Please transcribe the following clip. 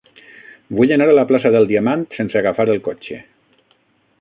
Vull anar a la plaça del Diamant sense agafar el cotxe.